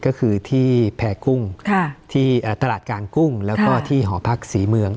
ก็คือที่แพร่กุ้งที่ตลาดกลางกุ้งแล้วก็ที่หอพักศรีเมือง